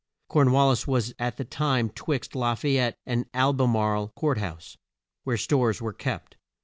Corn wal lis was at that time 'twixt La fay ette and Al be marle Court House, where stores were kept.